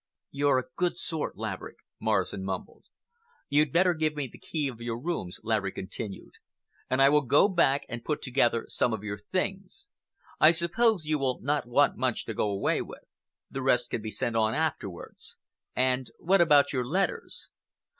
"You're a good sort, Laverick," Morrison mumbled. "You'd better give me the key of your rooms," Laverick continued, "and I will go back and put together some of your things. I suppose you will not want much to go away with. The rest can be sent on afterwards. And what about your letters?"